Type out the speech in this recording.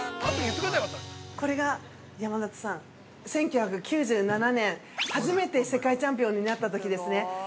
◆これが、山里さん１９９７年初めて世界チャンピオンになったときですね。